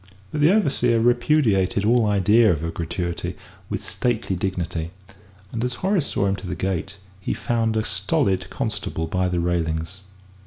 But the overseer repudiated all idea of a gratuity with stately dignity, and as Horace saw him to the gate, he found a stolid constable by the railings.